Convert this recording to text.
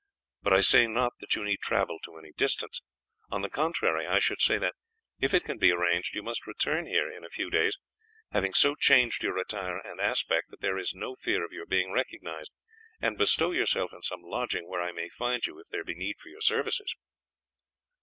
But I say not that you need travel to any distance; on the contrary, I should say that, if it can be arranged, you must return here in a few days, having so changed your attire and aspect that there is no fear of your being recognized, and bestow yourself in some lodging where I may find you if there be need of your services."